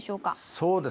そうですね。